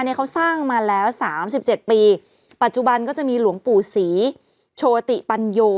เนี่ยเขาสร้างมาแล้วสามสิบเจ็ดปีปัจจุบันก็จะมีหลวงปู่ศรีโชติปัญโย